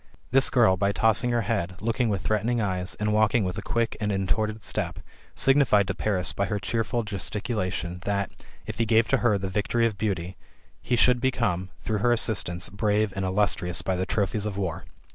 This girl, by tossing her head, looking with threatening eyes, and walking with a quick and GOLDEN ASS, OF APULEIUS. — BOOK X. 189 intoned step, signified to Piris by her cheerful gesticulation, that, if he gave to her the victory of beauty, he should become, through her assistance, hrave and illustrious by the trophies of war.